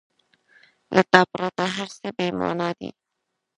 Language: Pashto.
• له تا پرته هر څه بېمانا دي.